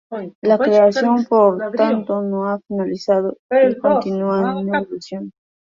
La creación, por tanto, no ha finalizado y continúa en evolución.